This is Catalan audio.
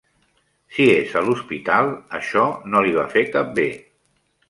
Si és a l'hospital, això no li va fer cap bé.